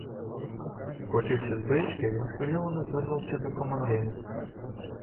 Скочивши з брички, він схвильовано звернувся до командира: